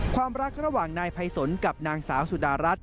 ความรักระหว่างนายภัยสนกับนางสาวสุดารัฐ